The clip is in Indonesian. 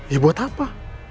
ya buat apa